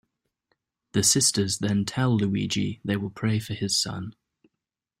The sisters then tell Luigi they will pray for his son.